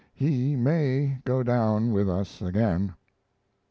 He may go down with us again.